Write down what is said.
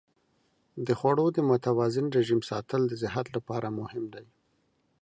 د خوړو د متوازن رژیم ساتل د صحت لپاره مهم دی.